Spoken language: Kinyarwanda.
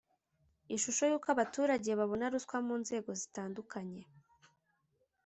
ishusho y’uko abaturage babona ruswa mu nzego zitandukanye